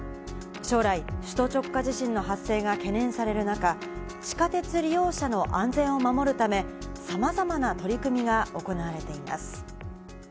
将来、首都直下地震の発生が懸念される中、地下鉄利用者の安全を守るため、さまざまな取り組みが行われています。